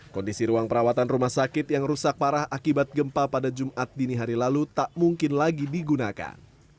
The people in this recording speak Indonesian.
kondisi ruang perawatan rumah sakit yang rusak parah akibat gempa pada jumat dini hari lalu tak mungkin lagi digunakan